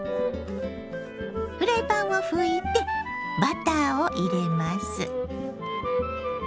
フライパンを拭いてバターを入れます。